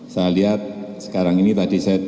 saya lihat sekarang ini